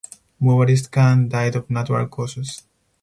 Mubariz Khan died of natural causes.